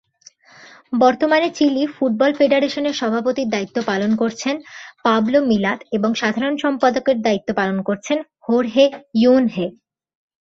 বর্তমানে Chile football ফেডারেশনের সভাপতির দায়িত্ব পালন করছেন পাবলো মিলাদ এবং সাধারণ সম্পাদকের দায়িত্ব পালন করছেন হোর্হে ইয়ুনহে।